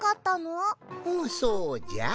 うんそうじゃ。